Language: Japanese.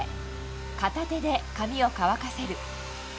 片手で髪を乾かせる。